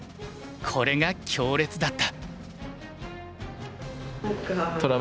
これが強烈だった。